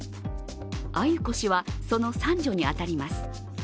鮎子氏はその三女に当たります。